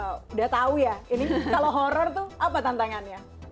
udah tau ya ini kalau horror tuh apa tantangannya